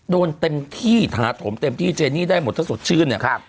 เต็มที่ถาถมเต็มที่เจนี่ได้หมดถ้าสดชื่นเนี่ย